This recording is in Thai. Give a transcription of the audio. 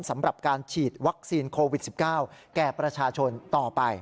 สำหรับการฉีดวัคซีนโควิด๑๙แก่ประชาชนต่อไป